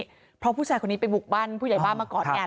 หรือเพราะผู้ชายคนนี้เป็นปุกบ้านผู้ใหญ่บ้านกล่อแอด